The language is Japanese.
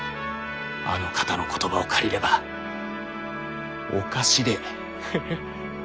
あの方の言葉を借りればおかしれぇ。